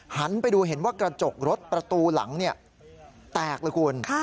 หันไปดูเห็นว่ากระจกรถประตูหลังแตกเลยคุณ